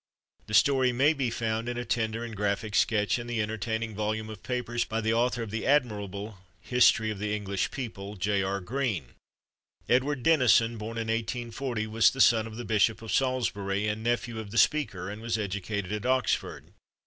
The story may be found in a tender and graphic sketch in the entertaining volume of papers by the author of the admirable History of the English People, J. R. Green. Edward Denison, born in 1840, was the son of the Bishop of Salisbury, and nephew of the Speaker, and was educated at Oxford.